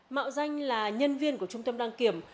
mạo danh là nhân viên của trung tâm đăng kiểm